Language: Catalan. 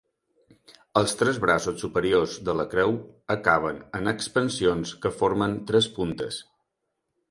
Els tres braços superiors de la creu acaben en expansions que formen tres puntes.